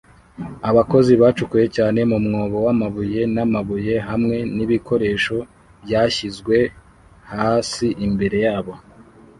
Abakozi bacukuye cyane mu mwobo w'amabuye n'amabuye hamwe n'ibikoresho byashyizwe hasi imbere yabo